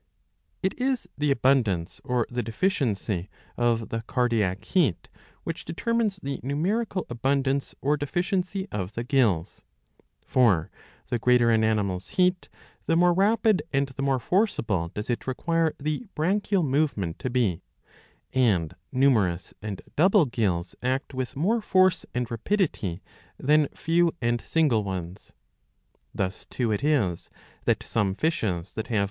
^^ It is the abundance or the deficiency of the cardiac heat which determines the numerical abundance or deficiency of the gills. For, the greater an animal's heat, the more rapid and the more forcible does it require the branchial movement to be ;2^ and numerous and double gills act with more force and rapidity than few and single ones, Thus too it is that some fishes that have 696b.